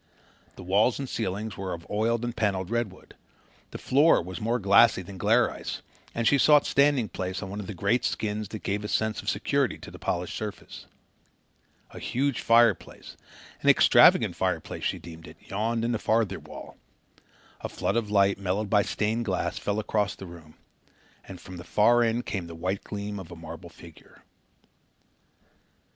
The walls and ceiling were of oiled and panelled redwood. The floor was more glassy than glare ice, and she sought standing place on one of the great skins that gave a sense of security to the polished surface. A huge fireplace an extravagant fireplace, she deemed it yawned in the farther wall. A flood of light, mellowed by stained glass, fell across the room, and from the far end came the white gleam of a marble figure.